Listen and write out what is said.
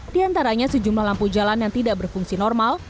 di antaranya sejumlah lampu jalan yang tidak berfungsi normal